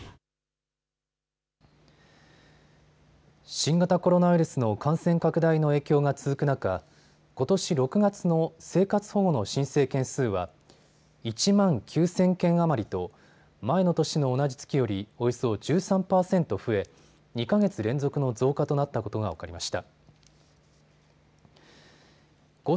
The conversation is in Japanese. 新型コロナウイルスの感染拡大の影響が続く中、ことし６月の生活保護の申請件数は１万９０００件余りと前の年の同じ月よりおよそ１３％増え２か月連続の増加となったことが分かりました。